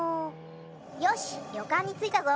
よしりょかんについたぞ。